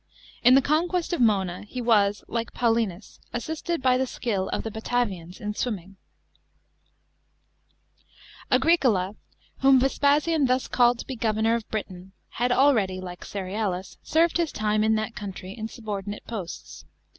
In the conquest of Mona he was, like Paulinus, assisted by the skill of the Batavians in swimming. 79 81 A.D. AGKICOLA'S FIRST CAMPAIGNS. 399 § 2. Agricola, whom Vespasian thus called to be governor of Britain, had already, like Cerealis, served his time in that country in subordinate posts.